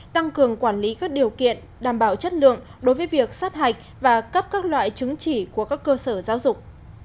tăng cường quản lý các điều kiện đảm bảo chất lượng đối với việc sát hạch và cấp các loại chứng chỉ của các cơ sở giáo dục